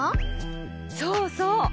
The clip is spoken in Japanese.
そうそう！